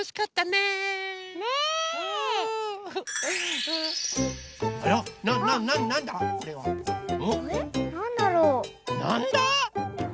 なんだ？